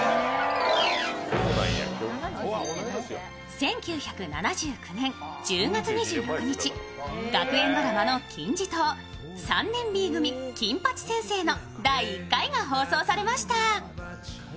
１９７９年１０月２６日、学園ドラマの金字塔、「３年Ｂ組金八先生」の第１回が放送されました。